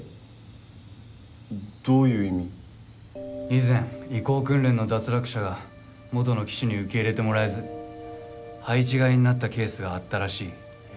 以前移行訓練の脱落者が元の機種に受け入れてもらえず配置換えになったケースがあったらしい。